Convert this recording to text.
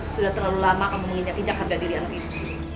sudah terlalu lama kamu menginjati jaga diri anak ibu